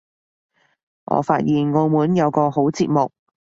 我發現澳門有個好節目